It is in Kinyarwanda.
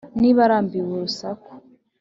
niba arambiwe urusaku